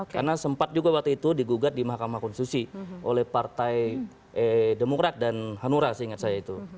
karena sempat juga waktu itu digugat di mahkamah konstitusi oleh partai demokrak dan hanura seingat saya itu